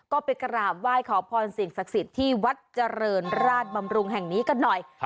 ก็ไปกราบไหว้ขอพรสิ่งศักดิ์สิทธิ์ที่วัดเจริญราชบำรุงแห่งนี้กันหน่อย